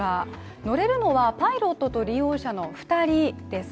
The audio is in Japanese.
乗れるのはパイロットと利用者の２人です。